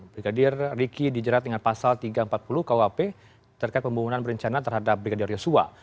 brigadir riki dijerat dengan pasal tiga ratus empat puluh kuap terkait pembunuhan berencana terhadap brigadir yosua